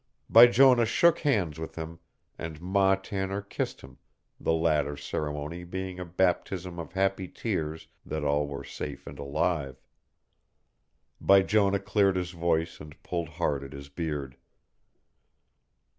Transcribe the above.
Bijonah shook hands with him, and Ma Tanner kissed him, the latter ceremony being a baptism of happy tears that all were safe and alive. Bijonah cleared his voice and pulled hard at his beard.